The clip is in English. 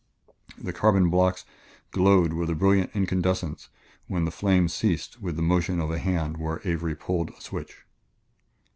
The carbon blocks glowed with a brilliant incandescence when the flame ceased with the motion of a hand where Avery pulled a switch.